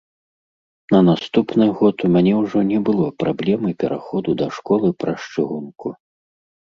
На наступны год у мяне ўжо не было праблемы пераходу да школы праз чыгунку.